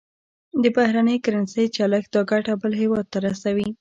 د بهرنۍ کرنسۍ چلښت دا ګټه بل هېواد ته رسوي.